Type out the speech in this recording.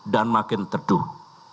dan makin terduh